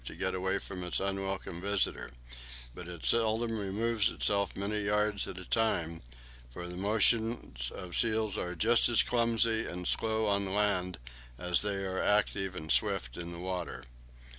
To them Antarctica would but it seldom removes itself many yards at a time, for the motions of the seal are just as clumsy and slow on land as they are active and swift in the water.